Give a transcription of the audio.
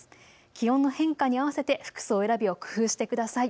気温の変化に合わせて服装選びを工夫してください。